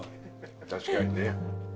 確かにね。